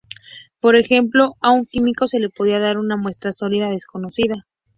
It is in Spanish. Por ejemplo, a un químico se le podría dar una muestra sólida desconocida.